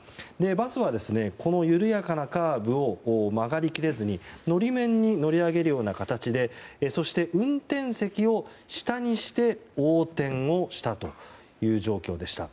バスは緩やかなカーブを曲がり切れずに法面に乗り上げるような形でそして、運転席を下にして横転をしたという状況でした。